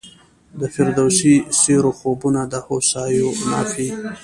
د فردوسي سیورو خوبونه د هوسیو نافي